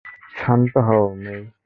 শান্ত হও, মেই।